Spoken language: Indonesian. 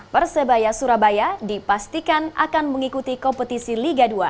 persebaya surabaya dipastikan akan mengikuti kompetisi liga dua